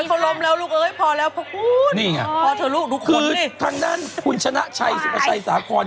แหม่งลุ๊กพอแล้วพอพูดนี่ไงก็นั้นคุณฉนะชายชายสาขวร